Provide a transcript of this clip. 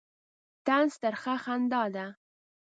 طنز ترخه خندا ده.